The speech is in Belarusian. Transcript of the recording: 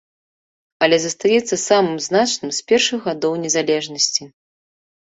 Але застаецца самым значным з першых гадоў незалежнасці.